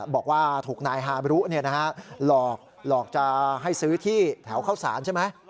บอกว่าถูกนายฮาบรุหลอกจะให้ซื้อที่แถวเข้าสารใช่ไหม